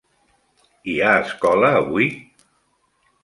Hi ha escola avui?